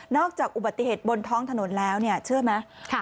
จากอุบัติเหตุบนท้องถนนแล้วเนี่ยเชื่อไหม